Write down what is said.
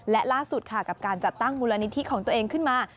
และล่าสุดค่ะกับการจัดตั้งมูลนิธิของตัวเองขึ้นมา